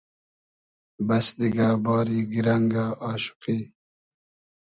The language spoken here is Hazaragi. بئس دیگۂ ، باری گیرئنگۂ آشوقی